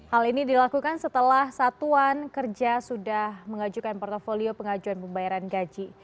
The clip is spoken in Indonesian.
hal ini dilakukan setelah satuan kerja sudah mengajukan portofolio pengajuan pembayaran gaji